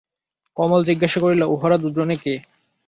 কমলা জিজ্ঞাসা করিল, উহারা দুজনে কে?